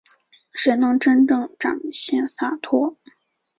谁能真正展现洒脱